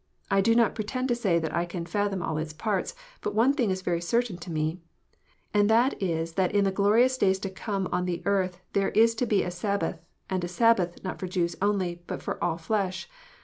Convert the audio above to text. I do not pre tend to say that I can fathom all its parts : but one thing is very certain to me, and that is that in the glorious days to come on the earth there is to be a Sabbath, and a Sabbath not for the Jews only, but for "all flesh."